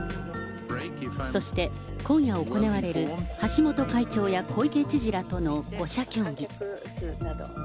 そして、今夜行われる橋本会長や小池知事らとの５者協議。